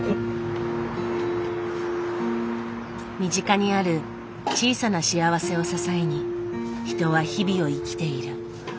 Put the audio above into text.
身近にある小さな幸せを支えに人は日々を生きている。